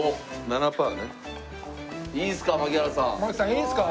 いいんですか？